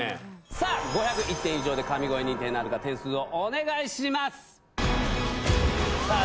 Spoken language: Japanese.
さあ、５０１点以上で神声認定なるか、点数をお願いします。